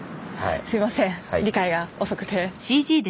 すいません理解が遅くて。